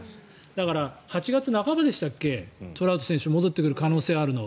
だから、８月半ばでしたっけトラウト選手が戻ってくる可能性があるのは。